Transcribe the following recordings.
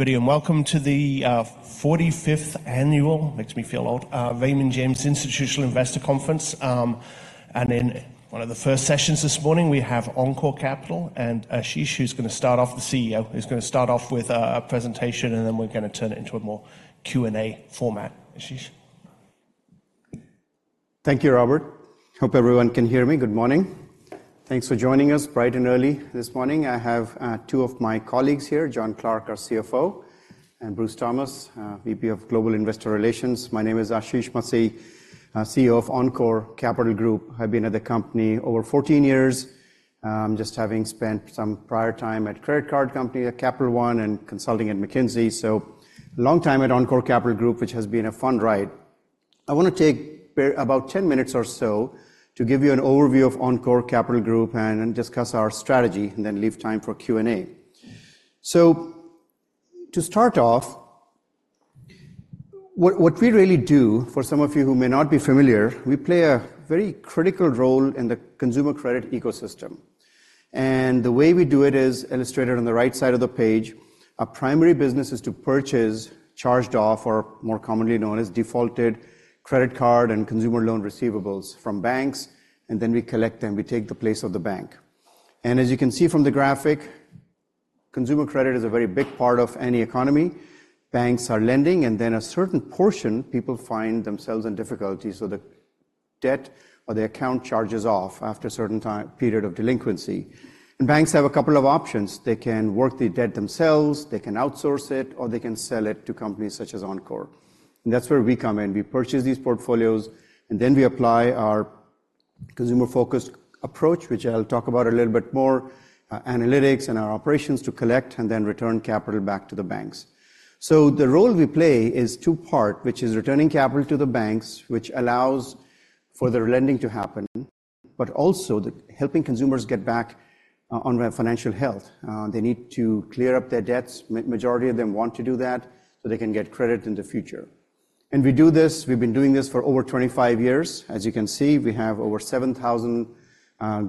Good morning and welcome to the 45th annual, makes me feel old, Raymond James Institutional Investors Conference. In one of the first sessions this morning we have Encore Capital, and Ashish, who's going to start off, the CEO, who's going to start off with a presentation, and then we're going to turn it into a more Q&A format. Ashish? Thank you, Robert. Hope everyone can hear me. Good morning. Thanks for joining us bright and early this morning. I have two of my colleagues here: Jonathan Clark, our CFO, and Bruce Thomas, VP of Global Investor Relations. My name is Ashish Masih, CEO of Encore Capital Group. I've been at the company over 14 years, just having spent some prior time at credit card companies at Capital One and consulting at McKinsey, so a long time at Encore Capital Group, which has been a fun ride. I want to take maybe about 10 minutes or so to give you an overview of Encore Capital Group and then discuss our strategy, and then leave time for Q&A. So to start off, what we really do—for some of you who may not be familiar—we play a very critical role in the consumer credit ecosystem. The way we do it is illustrated on the right side of the page. Our primary business is to purchase charged-off, or more commonly known as defaulted, credit card and consumer loan receivables from banks, and then we collect them. We take the place of the bank. As you can see from the graphic, consumer credit is a very big part of any economy. Banks are lending, and then a certain portion people find themselves in difficulty, so the debt or the account charges off after a certain time period of delinquency. Banks have a couple of options. They can work the debt themselves, they can outsource it, or they can sell it to companies such as Encore. That's where we come in. We purchase these portfolios, and then we apply our consumer-focused approach, which I'll talk about a little bit more, analytics and our operations, to collect and then return capital back to the banks. So the role we play is two-part, which is returning capital to the banks, which allows for their lending to happen, but also the helping consumers get back on their financial health. They need to clear up their debts. Majority of them want to do that so they can get credit in the future. And we do this, we've been doing this for over 25 years. As you can see, we have over 7,000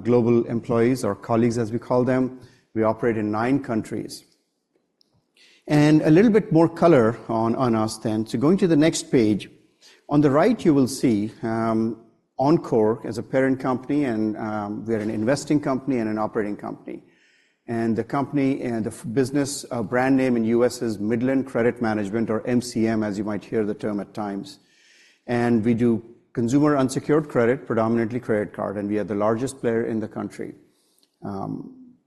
global employees or colleagues, as we call them. We operate in nine countries. And a little bit more color on us then. So going to the next page, on the right you will see Encore as a parent company, and we are an investing company and an operating company. And the company and the business brand name in the U.S. is Midland Credit Management, or MCM, as you might hear the term at times. And we do consumer unsecured credit, predominantly credit card, and we are the largest player in the country,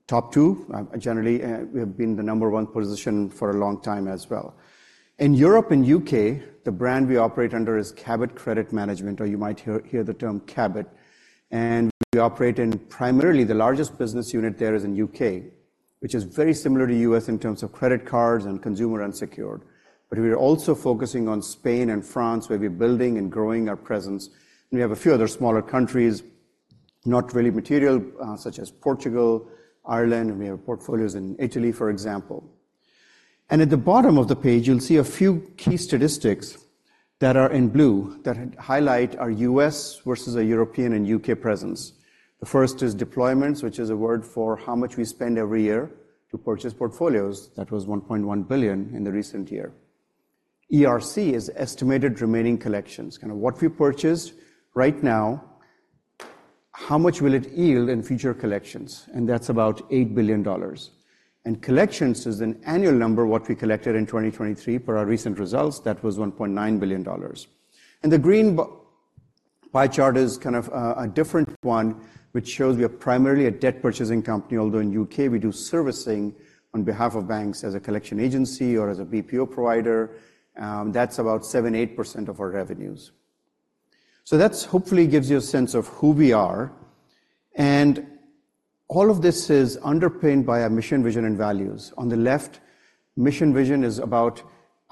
top two generally; we have been the number one position for a long time as well. In Europe and U.K., the brand we operate under is Cabot Credit Management, or you might hear the term Cabot. And we operate in primarily the largest business unit there is in the U.K., which is very similar to the U.S. in terms of credit cards and consumer unsecured. But we are also focusing on Spain and France, where we're building and growing our presence. And we have a few other smaller countries, not really material, such as Portugal, Ireland, and we have portfolios in Italy, for example. And at the bottom of the page you'll see a few key statistics that are in blue that highlight our U.S. versus a European and U.K. presence. The first is deployments, which is a word for how much we spend every year to purchase portfolios. That was $1.1 billion in the recent year. ERC is estimated remaining collections, kind of what we purchased right now, how much will it yield in future collections. And that's about $8 billion. And collections is an annual number, what we collected in 2023 per our recent results. That was $1.9 billion. The green piece of the pie chart is kind of a different one, which shows we are primarily a debt purchasing company, although in the U.K. we do servicing on behalf of banks as a collection agency or as a BPO provider. That's about 7%-8% of our revenues. So that's hopefully gives you a sense of who we are. And all of this is underpinned by our mission, vision, and values. On the left, mission vision is about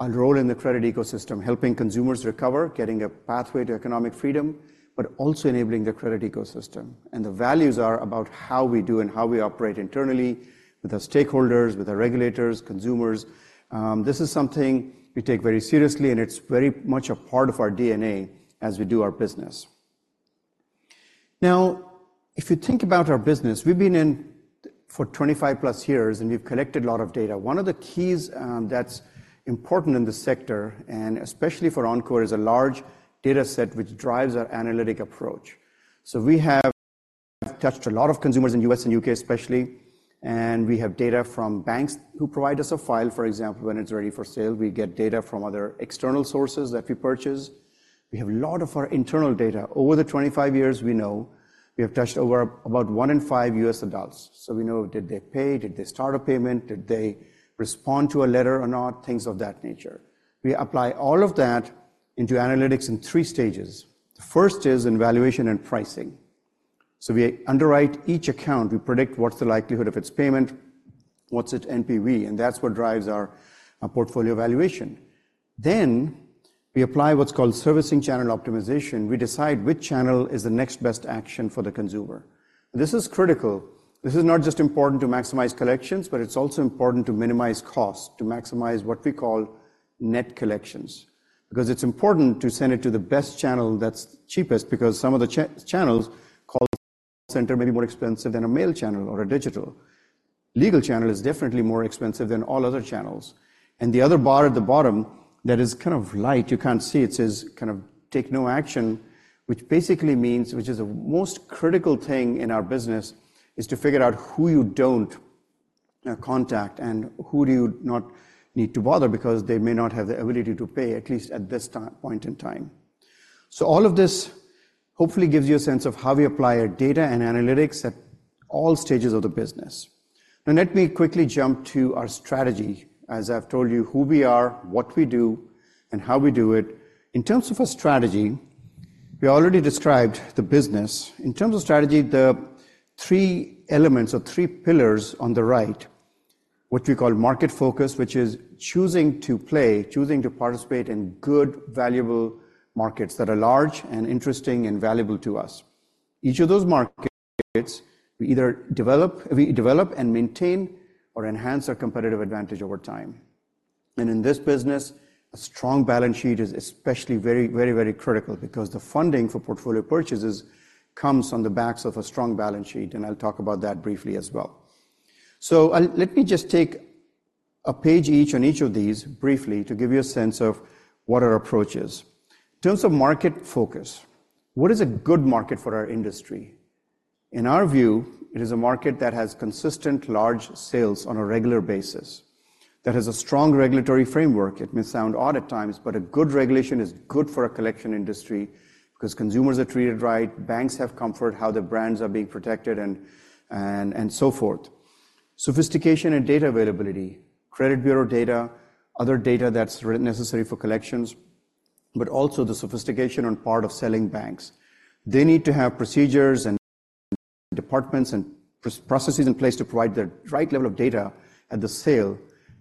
our role in the credit ecosystem, helping consumers recover, getting a pathway to economic freedom, but also enabling the credit ecosystem. And the values are about how we do and how we operate internally with our stakeholders, with our regulators, consumers. This is something we take very seriously, and it's very much a part of our DNA as we do our business. Now, if you think about our business, we've been in for 25+ years, and we've collected a lot of data. One of the keys, that's important in the sector, and especially for Encore, is a large data set which drives our analytic approach. So we have touched a lot of consumers in the U.S. and U.K. especially, and we have data from banks who provide us a file. For example, when it's ready for sale, we get data from other external sources that we purchase. We have a lot of our internal data. Over the 25 years, we know we have touched over about one in five U.S. adults. So we know, did they pay? Did they start a payment? Did they respond to a letter or not? Things of that nature. We apply all of that into analytics in three stages. The first is in valuation and pricing. So we underwrite each account. We predict what's the likelihood of its payment, what's its NPV, and that's what drives our portfolio valuation. Then we apply what's called Servicing Channel Optimization. We decide which channel is the next best action for the consumer. This is critical. This is not just important to maximize collections, but it's also important to minimize cost, to maximize what we call net collections, because it's important to send it to the best channel that's cheapest, because some of the channels, call center, may be more expensive than a mail channel or a digital. Legal channel is definitely more expensive than all other channels. The other bar at the bottom that is kind of light, you can't see it, says kind of take no action, which basically means, which is the most critical thing in our business, is to figure out who you don't contact and who do you not need to bother because they may not have the ability to pay, at least at this point in time. So all of this hopefully gives you a sense of how we apply our data and analytics at all stages of the business. Now let me quickly jump to our strategy, as I've told you, who we are, what we do, and how we do it. In terms of our strategy, we already described the business. In terms of strategy, the three elements or three pillars on the right, what we call market focus, which is choosing to play, choosing to participate in good, valuable markets that are large and interesting and valuable to us. Each of those markets we either develop, we develop and maintain, or enhance our competitive advantage over time. In this business, a strong balance sheet is especially very, very, very critical because the funding for portfolio purchases comes on the backs of a strong balance sheet, and I'll talk about that briefly as well. So let me just take a page each on each of these briefly to give you a sense of what our approach is. In terms of market focus, what is a good market for our industry? In our view, it is a market that has consistent large sales on a regular basis, that has a strong regulatory framework. It may sound odd at times, but a good regulation is good for a collection industry because consumers are treated right, banks have comfort, how their brands are being protected, and so forth. Sophistication and data availability, credit bureau data, other data that's really necessary for collections, but also the sophistication on part of selling banks. They need to have procedures and departments and processes in place to provide the right level of data at the sale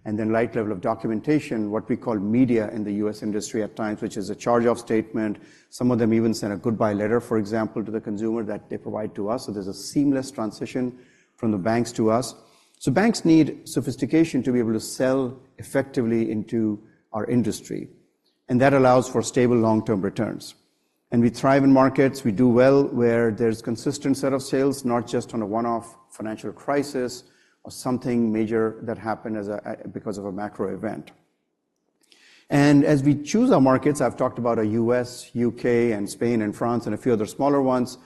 and the right level of documentation, what we call media in the U.S. industry at times, which is a charge-off statement. Some of them even send a goodbye letter, for example, to the consumer that they provide to us. So there's a seamless transition from the banks to us. So banks need sophistication to be able to sell effectively into our industry, and that allows for stable long-term returns. We thrive in markets. We do well where there's a consistent set of sales, not just on a one-off financial crisis or something major that happened as a, because of a macro event. As we choose our markets, I've talked about our U.S., U.K., and Spain and France and a few other smaller ones.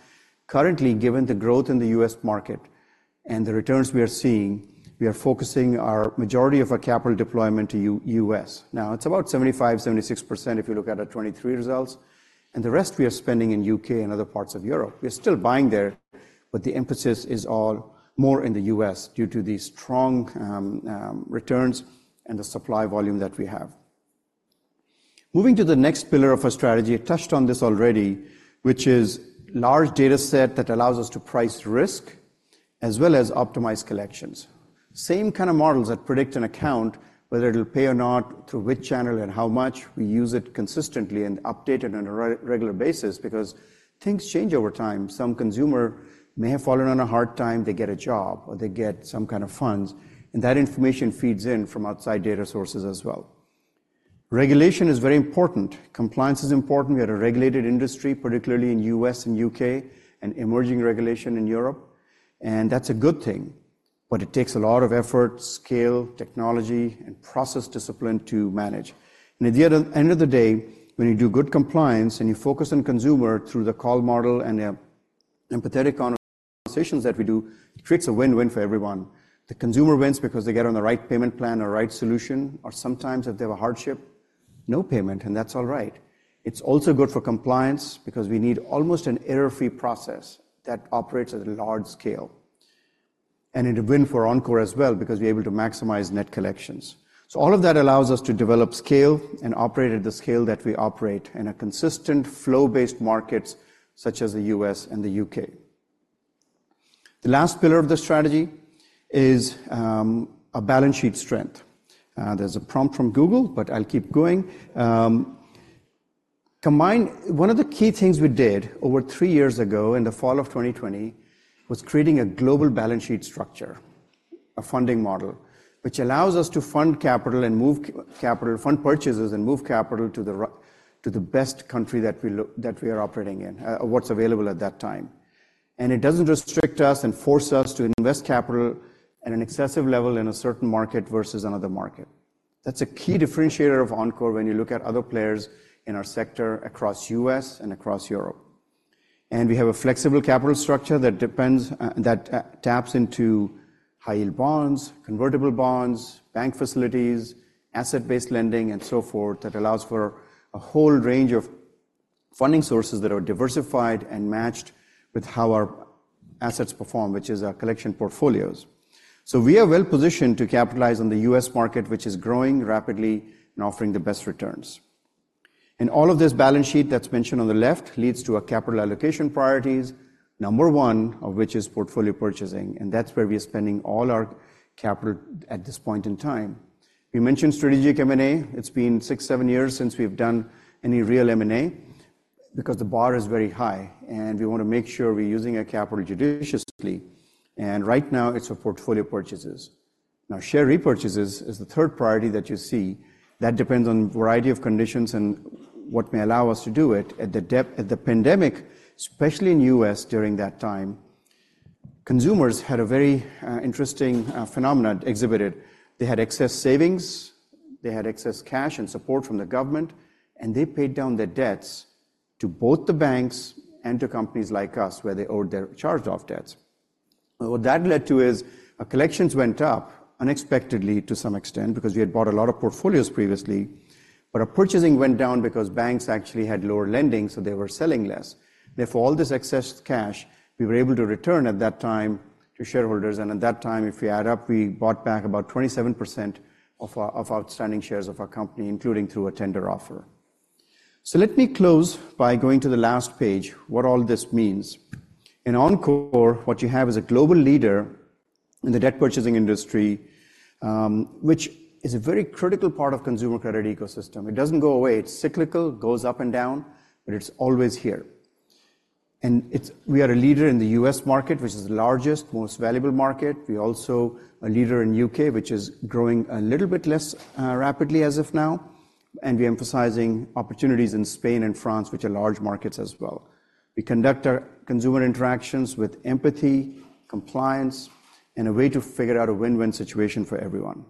Currently, given the growth in the U.S. market and the returns we are seeing, we are focusing our majority of our capital deployment to U.S. Now, it's about 75%-76% if you look at our 2023 results, and the rest we are spending in the U.K. and other parts of Europe. We are still buying there, but the emphasis is all more in the U.S. due to the strong returns and the supply volume that we have. Moving to the next pillar of our strategy, I touched on this already, which is a large data set that allows us to price risk as well as optimize collections. Same kind of models that predict an account, whether it'll pay or not, through which channel and how much. We use it consistently and update it on a regular basis because things change over time. Some consumer may have fallen on a hard time. They get a job or they get some kind of funds, and that information feeds in from outside data sources as well. Regulation is very important. Compliance is important. We are a regulated industry, particularly in the U.S. and U.K., and emerging regulation in Europe. And that's a good thing, but it takes a lot of effort, scale, technology, and process discipline to manage. And at the end of the day, when you do good compliance and you focus on the consumer through the call model and the empathetic conversations that we do, it creates a win-win for everyone. The consumer wins because they get on the right payment plan or right solution, or sometimes if they have a hardship, no payment, and that's all right. It's also good for compliance because we need almost an error-free process that operates at a large scale. And it's a win for Encore as well because we're able to maximize net collections. So all of that allows us to develop scale and operate at the scale that we operate in consistent flow-based markets such as the U.S. and the U.K. The last pillar of the strategy is a balance sheet strength. There's a prompt from Google, but I'll keep going. One of the key things we did over three years ago in the fall of 2020 was creating a global balance sheet structure, a funding model, which allows us to fund capital and move capital, fund purchases and move capital to the best country that we are operating in, or what's available at that time. And it doesn't restrict us and force us to invest capital at an excessive level in a certain market versus another market. That's a key differentiator of Encore when you look at other players in our sector across the U.S. and across Europe. We have a flexible capital structure that taps into high-yield bonds, convertible bonds, bank facilities, asset-based lending, and so forth that allows for a whole range of funding sources that are diversified and matched with how our assets perform, which is our collection portfolios. So we are well positioned to capitalize on the U.S. market, which is growing rapidly and offering the best returns. All of this balance sheet that's mentioned on the left leads to our capital allocation priorities, number one of which is portfolio purchasing, and that's where we are spending all our capital at this point in time. We mentioned strategic M&A. It's been 6-7 years since we've done any real M&A because the bar is very high, and we wanna make sure we're using our capital judiciously. Right now it's for portfolio purchases. Now, share repurchases is the third priority that you see. That depends on a variety of conditions and what may allow us to do it. At the depth of the pandemic, especially in the U.S. during that time, consumers had a very interesting phenomenon exhibited. They had excess savings, they had excess cash and support from the government, and they paid down their debts to both the banks and to companies like us where they owed their charge-off debts. What that led to is collections went up unexpectedly to some extent because we had bought a lot of portfolios previously, but our purchasing went down because banks actually had lower lending, so they were selling less. Therefore, all this excess cash we were able to return at that time to shareholders. At that time, if we add up, we bought back about 27% of our outstanding shares of our company, including through a tender offer. Let me close by going to the last page, what all this means. In Encore, what you have is a global leader in the debt purchasing industry, which is a very critical part of the consumer credit ecosystem. It doesn't go away. It's cyclical, goes up and down, but it's always here. And we are a leader in the U.S. market, which is the largest, most valuable market. We are also a leader in the U.K., which is growing a little bit less rapidly as of now. And we are emphasizing opportunities in Spain and France, which are large markets as well. We conduct our consumer interactions with empathy, compliance, and a way to figure out a win-win situation for everyone.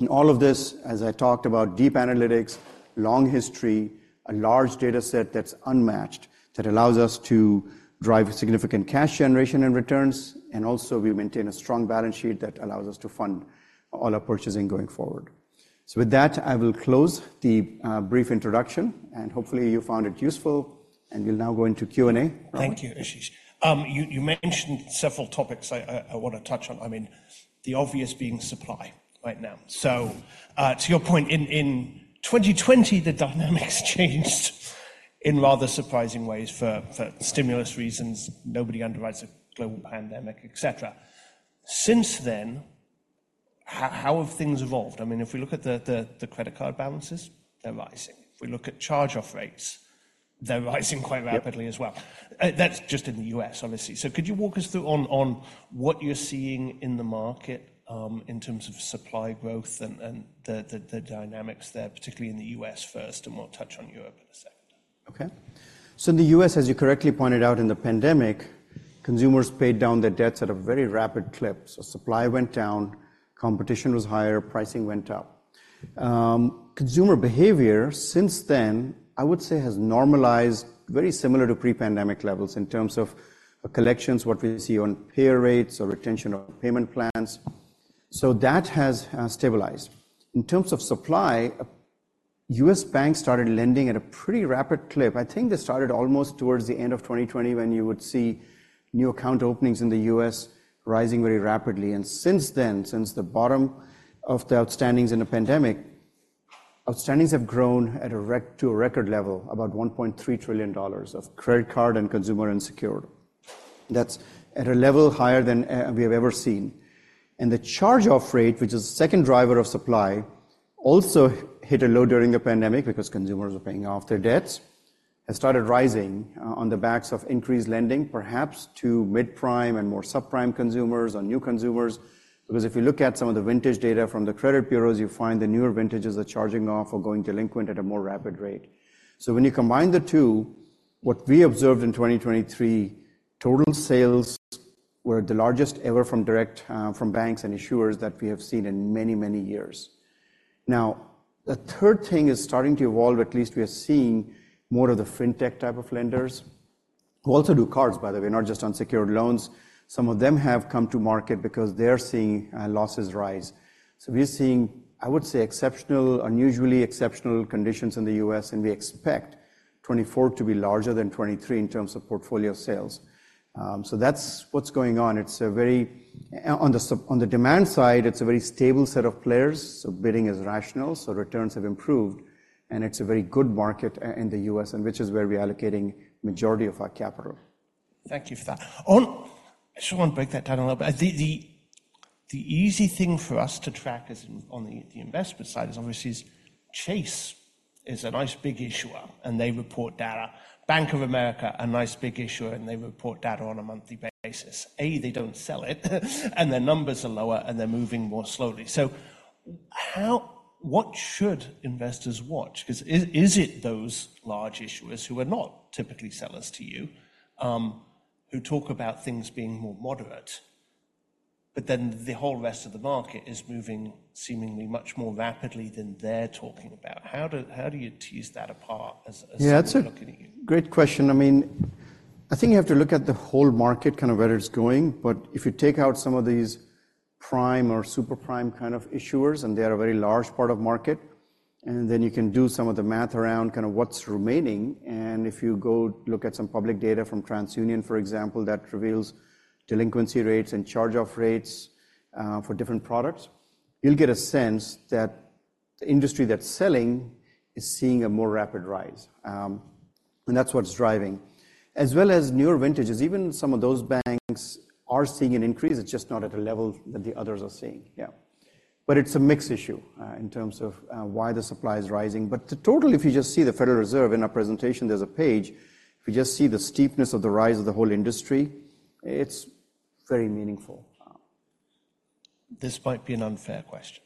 And all of this, as I talked about, deep analytics, long history, a large data set that's unmatched that allows us to drive significant cash generation and returns. And also, we maintain a strong balance sheet that allows us to fund all our purchasing going forward. So with that, I will close the brief introduction, and hopefully you found it useful. And we'll now go into Q&A. Thank you, Ashish. You mentioned several topics I wanna touch on. I mean, the obvious being supply right now. So, to your point, in 2020, the dynamics changed in rather surprising ways for stimulus reasons. Nobody underwrites a global pandemic, etc. Since then, how have things evolved? I mean, if we look at the credit card balances, they're rising. If we look at charge-off rates, they're rising quite rapidly as well. That's just in the U.S., obviously. So could you walk us through what you're seeing in the market, in terms of supply growth and the dynamics there, particularly in the U.S. first, and we'll touch on Europe in a second. Okay. So in the U.S., as you correctly pointed out, in the pandemic, consumers paid down their debts at a very rapid clip. So supply went down, competition was higher, pricing went up. Consumer behavior since then, I would say, has normalized very similar to pre-pandemic levels in terms of collections, what we see on pay rates, or retention of payment plans. So that has stabilized. In terms of supply, U.S. banks started lending at a pretty rapid clip. I think they started almost towards the end of 2020 when you would see new account openings in the U.S. rising very rapidly. And since then, since the bottom of the outstandings in the pandemic, outstandings have grown at a rate to a record level, about $1.3 trillion of credit card and consumer unsecured. That's at a level higher than we have ever seen. The charge-off rate, which is the second driver of supply, also hit a low during the pandemic because consumers were paying off their debts, has started rising on the backs of increased lending, perhaps to mid-prime and more sub-prime consumers or new consumers. Because if you look at some of the vintage data from the credit bureaus, you find the newer vintages are charging off or going delinquent at a more rapid rate. So when you combine the two, what we observed in 2023, total sales were the largest ever from direct, from banks and issuers that we have seen in many, many years. Now, the third thing is starting to evolve. At least we are seeing more of the fintech type of lenders who also do cards, by the way, not just unsecured loans. Some of them have come to market because they're seeing losses rise. So we are seeing, I would say, exceptional, unusually exceptional conditions in the US, and we expect 2024 to be larger than 2023 in terms of portfolio sales. So that's what's going on. It's very on the supply side. On the demand side, it's a very stable set of players. So bidding is rational. So returns have improved, and it's a very good market in the US, which is where we are allocating the majority of our capital. Thank you for that. Oh, I just wanna break that down a little bit. The easy thing for us to track as in on the investment side is obviously Chase is a nice big issuer, and they report data. Bank of America, a nice big issuer, and they report data on a monthly basis. And they don't sell it, and their numbers are lower, and they're moving more slowly. So, how, what should investors watch? 'Cause, is it those large issuers who are not typically sellers to you, who talk about things being more moderate, but then the whole rest of the market is moving seemingly much more rapidly than they're talking about? How do you tease that apart as we're looking at you? Yeah, that's a great question. I mean, I think you have to look at the whole market, kind of where it's going. But if you take out some of these prime or super-prime kind of issuers, and they are a very large part of the market, and then you can do some of the math around kind of what's remaining, and if you go look at some public data from TransUnion, for example, that reveals delinquency rates and charge-off rates, for different products, you'll get a sense that the industry that's selling is seeing a more rapid rise, and that's what's driving, as well as newer vintages. Even some of those banks are seeing an increase. It's just not at a level that the others are seeing. Yeah. But it's a mixed issue, in terms of, why the supply is rising. But the total, if you just see the Federal Reserve in our presentation, there's a page. If you just see the steepness of the rise of the whole industry, it's very meaningful. This might be an unfair question.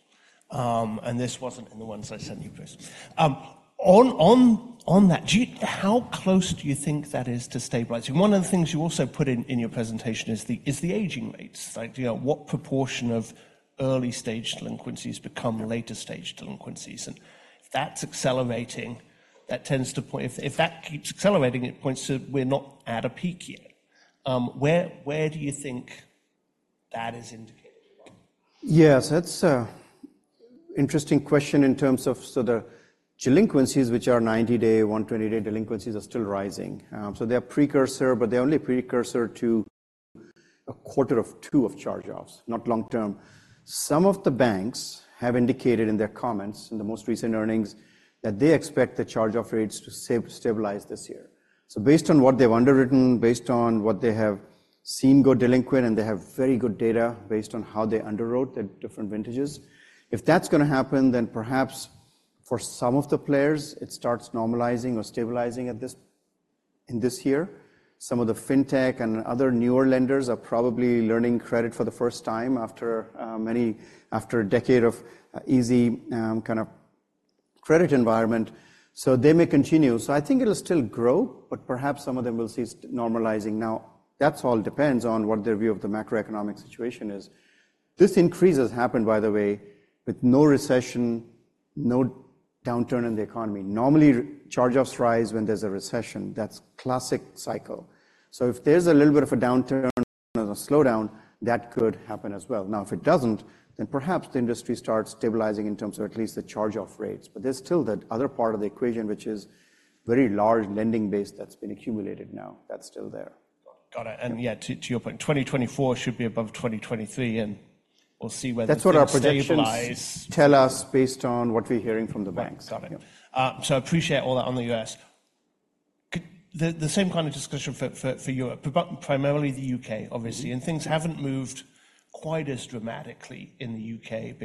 This wasn't in the ones I sent you, Bruce. On that, how close do you think that is to stabilizing? One of the things you also put in your presentation is the aging rates. Like, you know, what proportion of early-stage delinquencies become later-stage delinquencies? And if that's accelerating, that tends to point if that keeps accelerating, it points to we're not at a peak yet. Where do you think that is indicated? Yes, that's an interesting question in terms of so the delinquencies, which are 90-day, 120-day delinquencies, are still rising. So they're a precursor, but they're only a precursor to a quarter of two of charge-offs, not long-term. Some of the banks have indicated in their comments, in the most recent earnings, that they expect the charge-off rates to stabilize this year. So based on what they've underwritten, based on what they have seen go delinquent, and they have very good data based on how they underwrote the different vintages, if that's gonna happen, then perhaps for some of the players, it starts normalizing or stabilizing at this in this year. Some of the fintech and other newer lenders are probably learning credit for the first time after, many after a decade of, easy, kind of credit environment. So they may continue. So I think it'll still grow, but perhaps some of them will see normalizing. Now, that all depends on what their view of the macroeconomic situation is. This increase has happened, by the way, with no recession, no downturn in the economy. Normally, charge-offs rise when there's a recession. That's a classic cycle. So if there's a little bit of a downturn or a slowdown, that could happen as well. Now, if it doesn't, then perhaps the industry starts stabilizing in terms of at least the charge-off rates. But there's still the other part of the equation, which is very large lending base that's been accumulated now. That's still there. Got it. Got it. And yeah, to your point, 2024 should be above 2023, and we'll see whether it stabilizes. That's what our projections tell us based on what we're hearing from the banks. Got it. Got it. So I appreciate all that on the U.S. Could you have the same kind of discussion for Europe, primarily the U.K., obviously? And things haven't moved quite as dramatically in the U.K.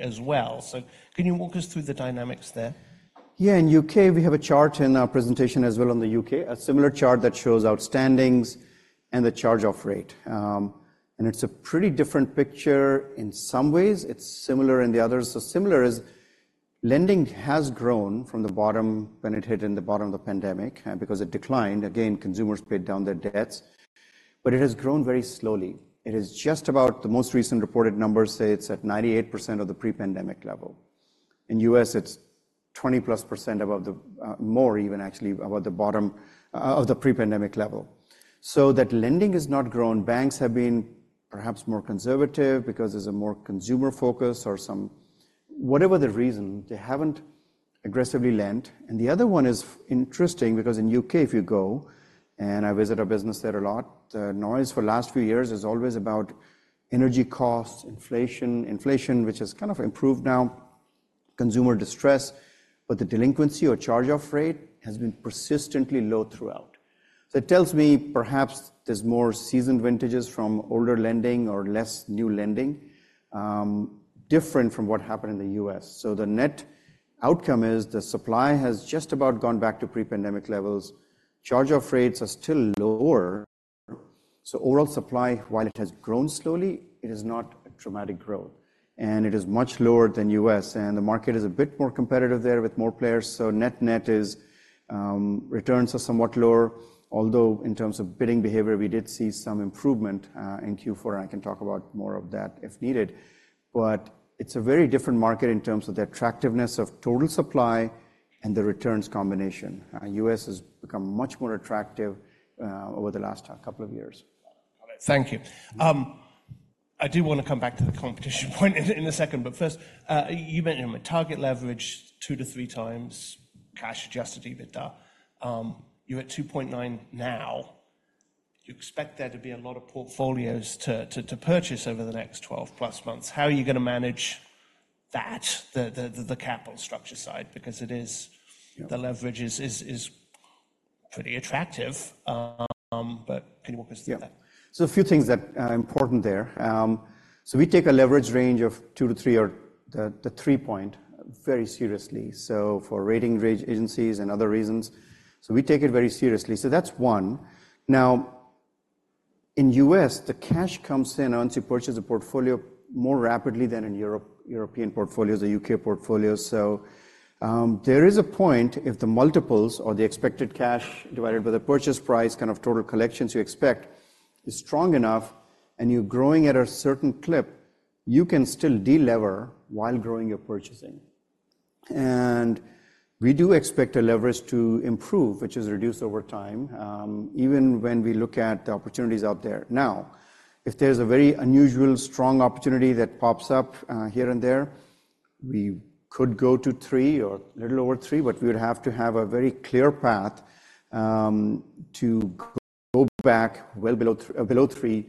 as well. So can you walk us through the dynamics there? Yeah. In the U.K., we have a chart in our presentation as well on the U.K., a similar chart that shows outstandings and the charge-off rate. It's a pretty different picture in some ways. It's similar in the others. So similar is lending has grown from the bottom when it hit in the bottom of the pandemic, because it declined. Again, consumers paid down their debts, but it has grown very slowly. It is just about the most recent reported numbers say it's at 98% of the pre-pandemic level. In the U.S., it's 20+% above the, more even actually above the bottom, of the pre-pandemic level. So that lending has not grown. Banks have been perhaps more conservative because there's a more consumer focus or some whatever the reason, they haven't aggressively lent. And the other one is interesting because in the U.K., if you go and I visit our business there a lot, the noise for the last few years is always about energy costs, inflation, inflation, which has kind of improved now, consumer distress, but the delinquency or charge-off rate has been persistently low throughout. So it tells me perhaps there's more seasoned vintages from older lending or less new lending, different from what happened in the U.S. So the net outcome is the supply has just about gone back to pre-pandemic levels. Charge-off rates are still lower. So overall supply, while it has grown slowly, it is not a dramatic growth, and it is much lower than the U.S. And the market is a bit more competitive there with more players. So net-net is, returns are somewhat lower. Although in terms of bidding behavior, we did see some improvement in Q4. I can talk about more of that if needed. It's a very different market in terms of the attractiveness of total supply and the returns combination. The US has become much more attractive over the last couple of years. Got it. Got it. Thank you. I do wanna come back to the competition point in a second. But first, you mentioned target leverage 2-3x cash-adjusted EBITDA. You're at 2.9 now. You expect there to be a lot of portfolios to purchase over the next 12+ months. How are you gonna manage that, the capital structure side? Because it is the leverage is pretty attractive. But can you walk us through that? Yeah. So a few things that are important there. So we take a leverage range of 2-3 or the three-point very seriously. So for rating agencies and other reasons. So we take it very seriously. So that's one. Now, in the U.S., the cash comes in once you purchase a portfolio more rapidly than in European portfolios, the U.K. portfolios. So there is a point if the multiples or the expected cash divided by the purchase price, kind of total collections you expect, is strong enough and you're growing at a certain clip, you can still de-lever while growing your purchasing. And we do expect the leverage to improve, which is reduced over time, even when we look at the opportunities out there. Now, if there's a very unusual strong opportunity that pops up, here and there, we could go to three or a little over three, but we would have to have a very clear path to go back well below below three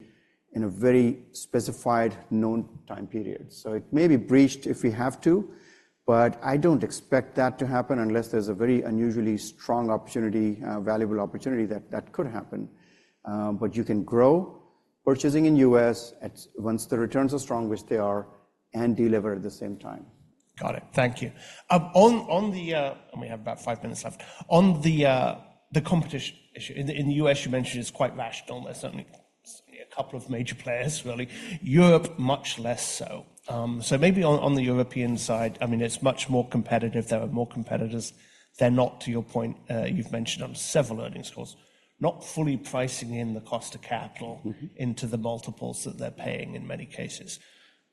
in a very specified known time period. So it may be breached if we have to, but I don't expect that to happen unless there's a very unusually strong opportunity, valuable opportunity that, that could happen. But you can grow purchasing in the U.S. at once the returns are strong, which they are, and de-lever at the same time. Got it. Thank you. And we have about five minutes left. On the competition issue in the U.S., you mentioned it's quite rational. There's certainly a couple of major players, really. Europe, much less so. So maybe on the European side, I mean, it's much more competitive. There are more competitors. They're not, to your point, you've mentioned on several earnings calls, not fully pricing in the cost of capital into the multiples that they're paying in many cases.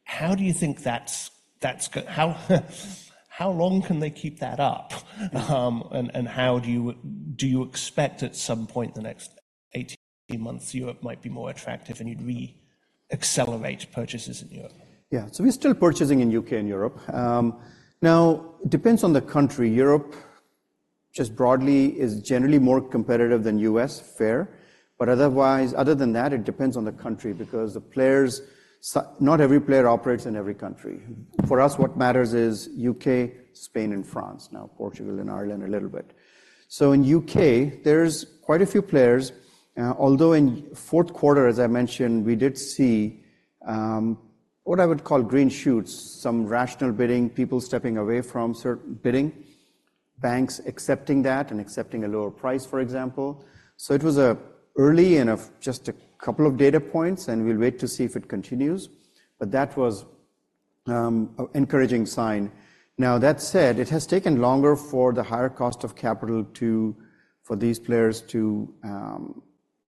How do you think that's going? How long can they keep that up? And how do you expect at some point in the next 18 months, Europe might be more attractive and you'd re-accelerate purchases in Europe? Yeah. So we're still purchasing in the U.K. and Europe. Now, it depends on the country. Europe, just broadly, is generally more competitive than the U.S., fair. But otherwise, other than that, it depends on the country because the players, so not every player operates in every country. For us, what matters is the U.K., Spain, and France, now Portugal, and Ireland a little bit. So in the U.K., there's quite a few players. Although in the fourth quarter, as I mentioned, we did see what I would call green shoots, some rational bidding, people stepping away from certain bidding, banks accepting that and accepting a lower price, for example. So it was early, in just a couple of data points, and we'll wait to see if it continues. But that was an encouraging sign. Now, that said, it has taken longer for the higher cost of capital to for these players to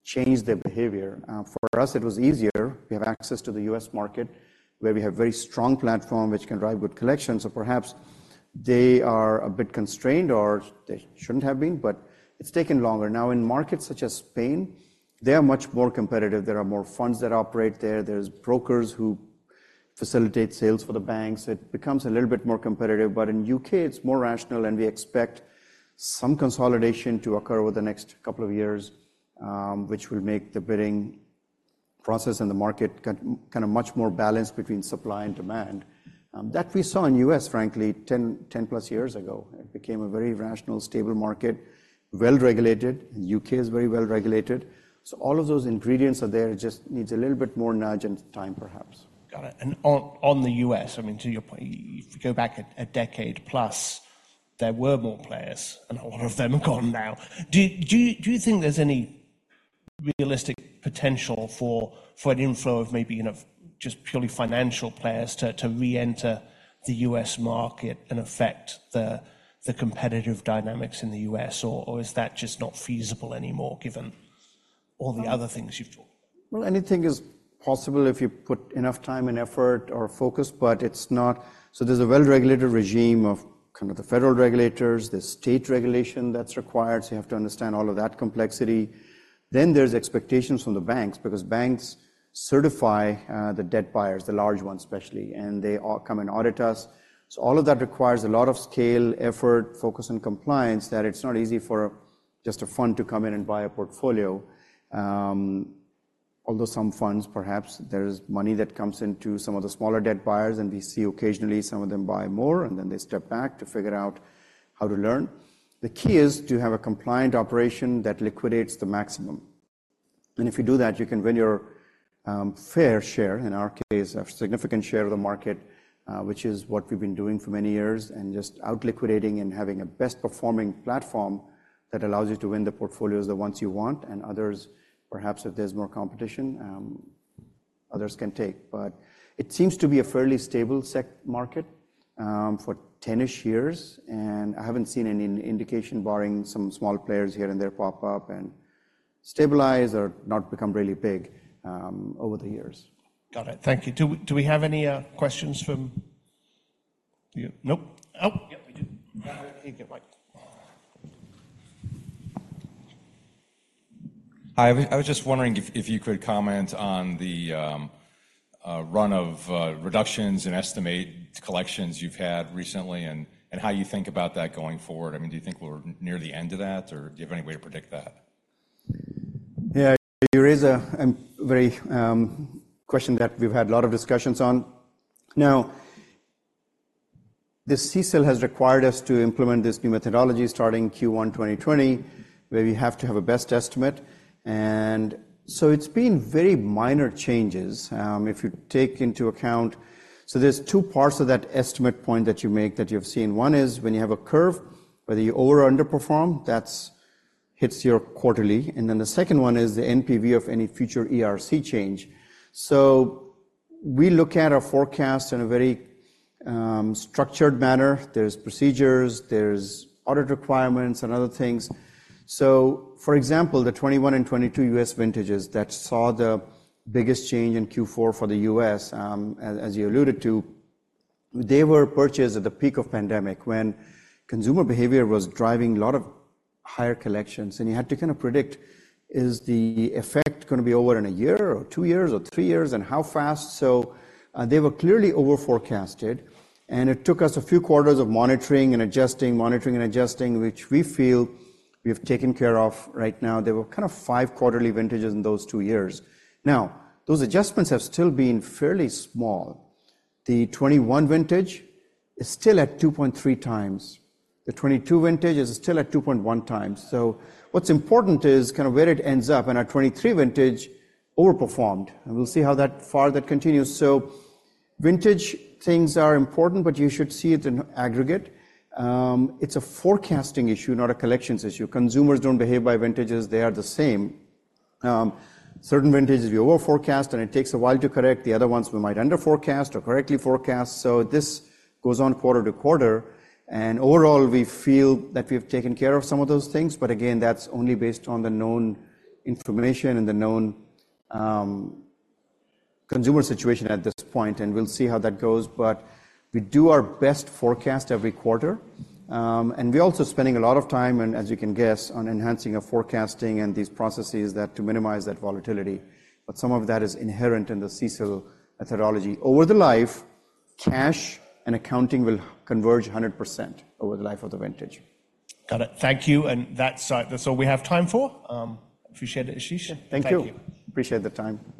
change their behavior. For us, it was easier. We have access to the US market where we have a very strong platform which can drive good collections. So perhaps they are a bit constrained or they shouldn't have been, but it's taken longer. Now, in markets such as Spain, they are much more competitive. There are more funds that operate there. There's brokers who facilitate sales for the banks. It becomes a little bit more competitive. But in the UK, it's more rational, and we expect some consolidation to occur over the next couple of years, which will make the bidding process in the market kind of much more balanced between supply and demand that we saw in the US, frankly, 10, 10+ years ago. It became a very rational, stable market, well regulated. The UK is very well regulated. So all of those ingredients are there. It just needs a little bit more nudge and time, perhaps. Got it. And on the U.S., I mean, to your point, if you go back a decade-plus, there were more players, and a lot of them have gone now. Do you think there's any realistic potential for an inflow of maybe, you know, just purely financial players to re-enter the U.S. market and affect the competitive dynamics in the U.S.? Or is that just not feasible anymore given all the other things you've talked about? Well, anything is possible if you put enough time and effort or focus, but it's not. So there's a well-regulated regime of kind of the federal regulators. There's state regulation that's required. So you have to understand all of that complexity. Then there's expectations from the banks because banks certify the debt buyers, the large ones especially, and they all come and audit us. So all of that requires a lot of scale, effort, focus, and compliance that it's not easy for just a fund to come in and buy a portfolio. Although some funds, perhaps there's money that comes into some of the smaller debt buyers, and we see occasionally some of them buy more, and then they step back to figure out how to learn. The key is to have a compliant operation that liquidates the maximum. And if you do that, you can win your fair share, in our case, a significant share of the market, which is what we've been doing for many years, and just outliquidating and having a best-performing platform that allows you to win the portfolios, the ones you want. And others, perhaps if there's more competition, others can take. But it seems to be a fairly stable secondary market, for 10-ish years. And I haven't seen any indication barring some small players here and there pop up and stabilize or not become really big, over the years. Got it. Thank you. Do we have any questions from you? Nope. Oh. Yep, we do. Here you go, Mike. Hi. I was just wondering if you could comment on the run of reductions and estimated collections you've had recently and how you think about that going forward. I mean, do you think we're near the end of that, or do you have any way to predict that? Yeah. There is a very question that we've had a lot of discussions on. Now, the CECL has required us to implement this new methodology starting Q1 2020 where we have to have a best estimate. And so it's been very minor changes, if you take into account so there's two parts of that estimate point that you make that you've seen. One is when you have a curve, whether you over or underperform, that hits your quarterly. And then the second one is the NPV of any future ERC change. So we look at our forecast in a very structured manner. There's procedures. There's audit requirements and other things. So for example, the 2021 and 2022 U.S. vintages that saw the biggest change in Q4 for the U.S., as, as you alluded to, they were purchased at the peak of pandemic when consumer behavior was driving a lot of higher collections. And you had to kind of predict, is the effect gonna be over in a year or two years or three years, and how fast? So, they were clearly overforecasted. And it took us a few quarters of monitoring and adjusting, monitoring and adjusting, which we feel we've taken care of right now. There were kind of 5 quarterly vintages in those two years. Now, those adjustments have still been fairly small. The 2021 vintage is still at 2.3 times. The 2022 vintage is still at 2.1 times. So what's important is kind of where it ends up. And our 2023 vintage overperformed. And we'll see how far that continues. So vintage things are important, but you should see it in aggregate. It's a forecasting issue, not a collections issue. Consumers don't behave by vintages. They are the same. Certain vintages, we overforecast, and it takes a while to correct. The other ones, we might underforecast or correctly forecast. So this goes on quarter to quarter. And overall, we feel that we've taken care of some of those things. But again, that's only based on the known information and the known consumer situation at this point. And we'll see how that goes. But we do our best forecast every quarter. And we're also spending a lot of time, and as you can guess, on enhancing our forecasting and these processes to minimize that volatility. But some of that is inherent in the CECL methodology. Over the life, cash and accounting will converge 100% over the life of the vintage. Got it. Thank you. That's it. That's all we have time for. Appreciate it, Ashish. Thank you. Thank you. Appreciate the time.